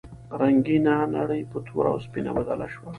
رنګینه نړۍ په توره او سپینه بدله شوه.